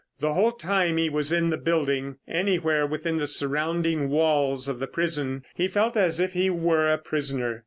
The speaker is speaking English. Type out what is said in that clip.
The whole time he was in the building, anywhere within the surrounding walls of the prison, he felt as if he were a prisoner.